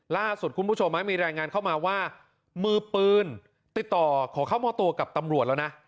ล่าสุดคุณผู้ชมมีรายงานเข้ามาว่ามือปืนติดต่อขอเข้ามอบตัวกับตำรวจแล้วนะ